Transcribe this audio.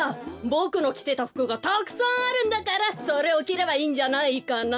ボクのきてたふくがたくさんあるんだからそれをきればいいんじゃないかな？